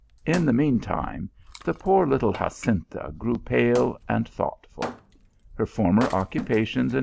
In the mean time, the poor little Jacinta grew pale and thoughtful. Her former occupations and 232 THE ALHAMBRA.